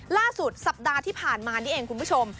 ล่าสุดสัปดาห์ที่ผ่านมานี่เองคุณผู้ชม